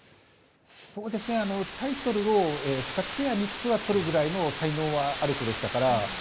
タイトルを２つや３つはとるぐらいの才能はある子でしたから。